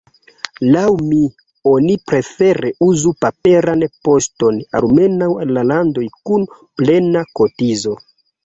Laŭ mi oni prefere uzu paperan poŝton, almenaŭ al la landoj kun “plena” kotizo.